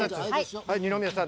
二宮さん